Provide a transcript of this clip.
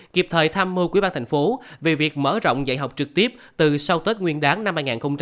kiệp thời tham mưu quy bà tp hcm về việc mở rộng dạy học trực tiếp từ sau tết nguyên đáng năm hai nghìn hai mươi hai